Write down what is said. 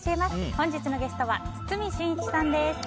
本日のゲストは堤真一さんです。